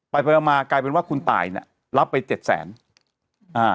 ไปไปมามากลายเป็นว่าคุณตายเนี้ยรับไปเจ็ดแสนอ่า